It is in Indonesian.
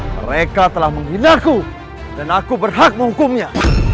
mereka telah menghinaku dan aku berhak menghukumnya